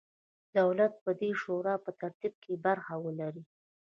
دولت به د دې شورا په ترتیب کې برخه ولري.